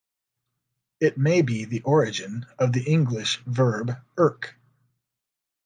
It may be the origin of the English verb "irk".